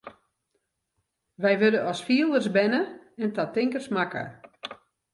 Wy wurde as fielers berne en ta tinkers makke.